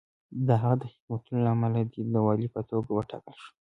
د هغه د خدمتونو له امله دی د والي په توګه وټاکل شو.